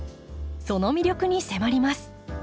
その魅力に迫ります。